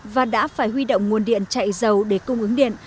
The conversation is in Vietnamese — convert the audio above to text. và đã phải huy động nguồn điện chạy dầu để cung ứng điện